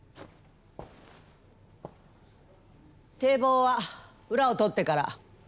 堤防は裏を取ってから。